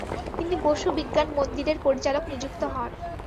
তিনি বসু বিজ্ঞান মন্দিরের পরিচালক নিযুক্ত হন।